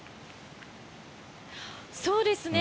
そうですね。